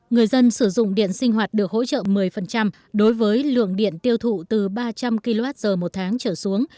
người dân sử dụng điện sinh hoạt được hỗ trợ một mươi đối với lượng điện tiêu thụ từ ba trăm linh kwh một tháng trở xuống